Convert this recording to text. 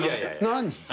「何？」